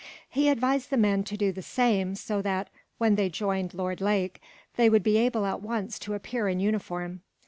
He advised the men to do the same so that, when they joined Lord Lake, they would be able at once to appear in uniform.